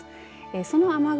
その雨雲